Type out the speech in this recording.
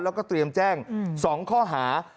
แล้วก็เตรียมแจ้ง๒ข้อหา